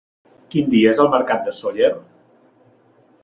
Quin dia és el mercat de Sóller?